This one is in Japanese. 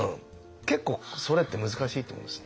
結構それって難しいと思うんです。